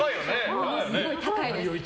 ものすごい高いです。